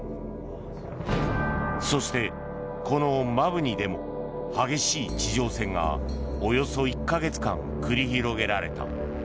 そして、この摩文仁でも激しい地上戦がおよそ１か月間繰り広げられた。